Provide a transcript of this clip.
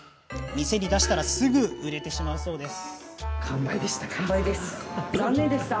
店に出したらすぐ売れてしまうそうなんです。